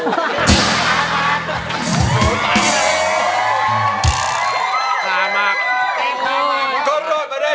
ลับบอกว่าช่วยมาก